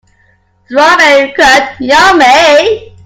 Strawberry curd, yummy!